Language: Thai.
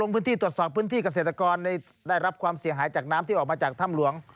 พื้นที่ตรวจสอบพื้นที่เกษตรกรได้รับความเสียหายจากน้ำที่ออกมาจากถ้ำหลวง